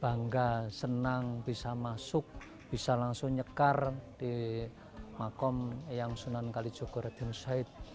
bangga senang bisa masuk bisa langsung nyekar di mahkamah sunan kalijaga rasulullah